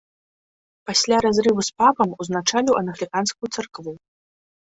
Пасля разрыву з папам узначаліў англіканскую царкву.